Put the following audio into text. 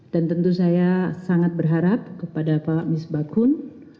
dan tentu saya sangat berharap kepada pak mis bakun